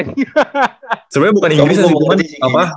sebenernya bukan inggris sih